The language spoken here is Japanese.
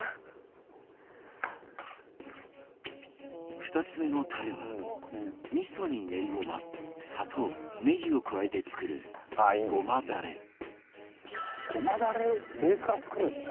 ２つ目のタレは味噌にねりごま砂糖ネギを加えて作るごまダレ「ごまダレベースから作るんですね」